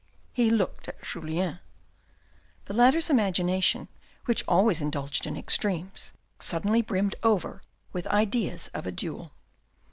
He looked at Julien. The latter's imagination, which always indulged in extremes, suddenly brimmed over with ideas of a duel.